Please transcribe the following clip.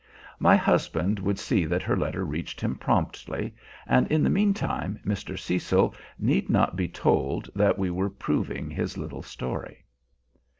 My husband would see that her letter reached him promptly, and in the mean time Mr. Cecil need not be told that we were proving his little story.